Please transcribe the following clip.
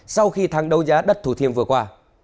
sau khi tháng đấu giá đất thủ thiêm vừa qua